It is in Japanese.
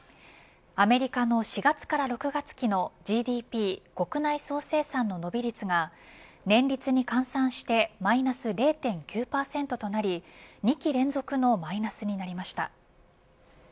アメリカの４月から６月期のＧＤＰ、国内総生産の伸び率が年率に換算してマイナス０．９％となり２期連続のマイナスになりました。